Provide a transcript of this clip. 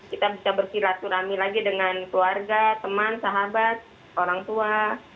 kita bisa bersilaturahmi lagi dengan keluarga teman sahabat orang tua